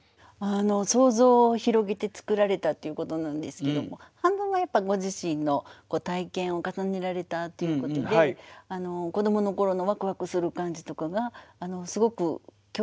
想像を広げて作られたっていうことなんですけども半分はやっぱご自身の体験を重ねられたっていうことで子どもの頃のワクワクする感じとかがすごく共感します。